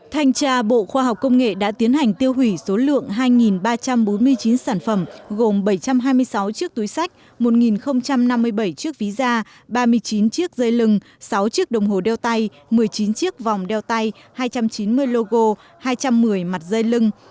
thanh tra bộ khoa học công nghệ đã tiến hành tiêu hủy số lượng hai ba trăm bốn mươi chín sản phẩm gồm bảy trăm hai mươi sáu chiếc túi sách một năm mươi bảy chiếc ví da ba mươi chín chiếc dây lưng sáu chiếc đồng hồ đeo tay một mươi chín chiếc vòng đeo tay hai trăm chín mươi logo hai trăm một mươi mặt dây lưng